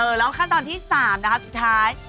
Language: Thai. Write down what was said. เออแล้วขั้นตอนที่สามนะครับสุดท้าย